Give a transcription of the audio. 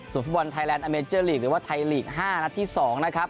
สวมฟุตบอลไทยแลนด์อาเมเจอร์ลีคหรือว่าไทยลีกห้านะที่สองนะครับ